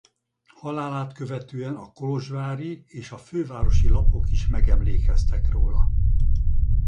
Halálát követően a kolozsvári és a fővárosi lapok is megemlékeztek róla.